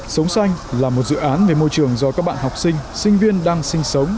sống xanh là một dự án về môi trường do các bạn học sinh sinh viên đang sinh sống